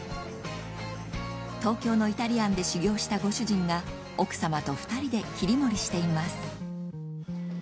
東京のイタリアンで修業したご主人が奥様と２人で切り盛りしています